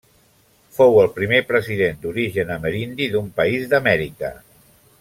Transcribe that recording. Fou el primer president d'origen amerindi d'un país d'Amèrica.